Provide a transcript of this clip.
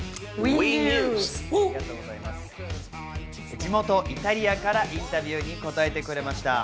地元イタリアからインタビューに答えてくれました。